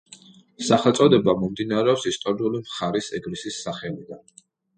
სახელწოდება მომდინარეობს ისტორიული მხარის ეგრისის სახელიდან.